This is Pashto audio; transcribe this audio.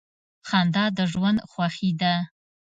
• خندا د ژوند خوښي ده.